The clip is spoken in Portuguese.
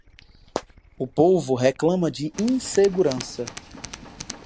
O povo reclama de insegurança.